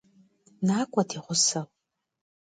Nak'ue di ğuseu!